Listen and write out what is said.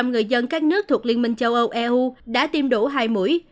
sáu mươi bảy bảy người dân các nước thuộc liên minh châu âu eu đã tiêm đủ hai mũi